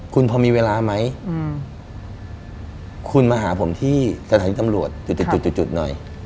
คุณพอมีเวลาไหมคุณมาหาผมที่สถานีตำรวจจุดจุดหน่อย